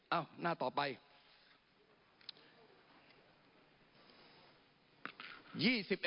เอ้าหน้าต่อไป